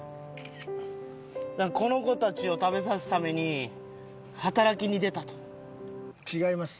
この子たちを食べさすために働きに出たと。